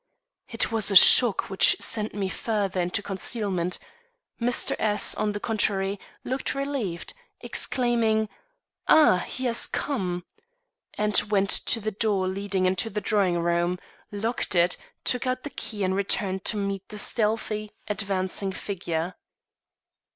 It was a shock which sent me further into concealment. Mr. S , on the contrary, looked relieved. Exclaiming, "Ah, he has come!" he went to the door leading into the drawing room, locked it, took out the key and returned to meet the stealthy, advancing figure.